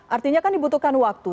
artinya kan dibutuhkan waktu